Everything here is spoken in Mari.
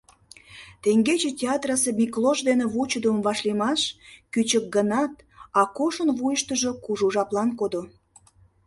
Теҥгече театрысе Миклош дене вучыдымо вашлиймаш, кӱчык гынат, Акошын вуйыштыжо кужу жаплан кодо.